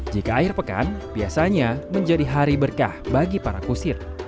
jika air pekan biasanya menjadi hari berkah bagi para kusir